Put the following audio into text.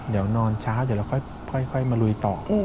เดี๋ยวนอนช้าเดี๋ยวเราค่อยมาลุยต่อ